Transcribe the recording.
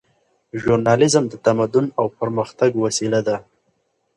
ژورنالیزم د تمدن او پرمختګ وسیله ده.